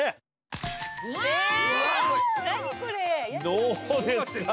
どうですか。